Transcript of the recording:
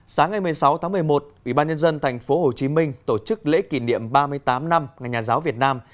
sáng ngày một mươi sáu tháng một mươi một ubnd tp hcm tổ chức lễ kỷ niệm ba mươi tám năm ngày nhà giáo việt nam